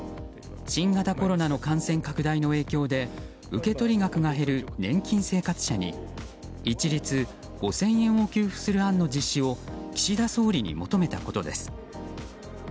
新型コロナの感染拡大の影響で受取額が減る年金生活者に一律５０００円を給付する案の実施を岸田総理に求めたことです。